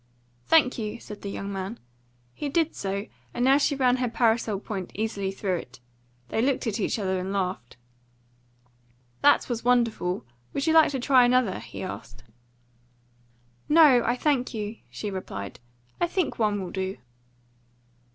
"Thank you," said the young man. He did so, and now she ran her parasol point easily through it. They looked at each other and laughed. "That was wonderful. Would you like to try another?" he asked. "No, I thank you," she replied. "I think one will do."